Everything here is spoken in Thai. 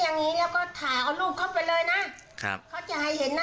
อย่างงี้แล้วก็ถ่ายเอารูปเขาไปเลยนะครับเขาจะให้เห็นนะ